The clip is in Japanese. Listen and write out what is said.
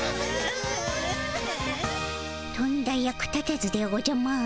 とんだ役立たずでおじゃマーン。